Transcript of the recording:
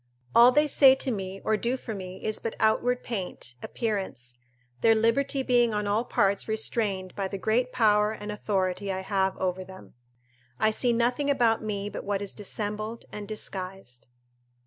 All they say to me or do for me is but outward paint, appearance, their liberty being on all parts restrained by the great power and authority I have over them. I see nothing about me but what is dissembled and disguised.